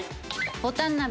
ボタン鍋